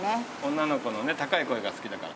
女の子のね高い声が好きだから。